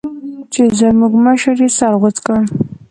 چې زموږ مشر يې سر غوڅ کړ.